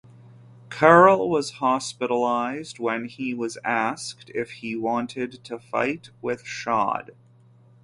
Charol was hospitalized when he was asked if he wanted to fight with Chade.